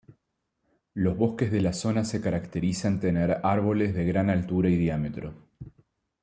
Los bosques de la zona se caracterizan tener árboles de gran altura y diámetro.